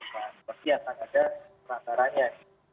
tapi ada perantaranya